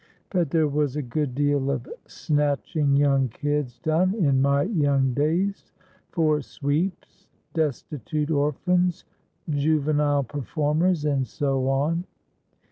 But there was a good deal of snatching young kids done in my young days; for sweeps, destitute orphans, juvenile performers, and so on."